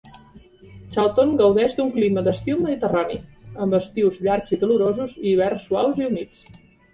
Charlton gaudeix d'un clima d'estil mediterrani, amb estius llargs i calorosos i hiverns suaus i humits.